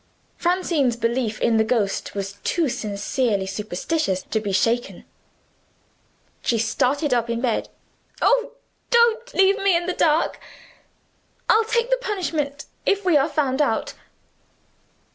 Francine's belief in the ghost was too sincerely superstitious to be shaken: she started up in bed. "Oh, don't leave me in the dark! I'll take the punishment, if we are found out."